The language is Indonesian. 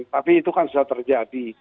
tapi itu kan sudah terjadi